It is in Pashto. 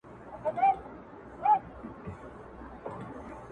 o بډاى ئې له خواره گټي، خوار ئې له بډايه!